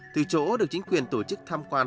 từ chỗ được chính quyền tổ chức tham quan